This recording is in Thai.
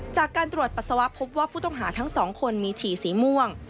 จากการตรวจปัสสาวะพบว่าผู้ต้องหาทั้งสองคนมีฉี่สีม่วง